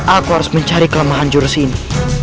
aku harus mencari kelemahan jursi ini